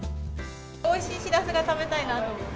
おいしいしらすが食べたいなと思って。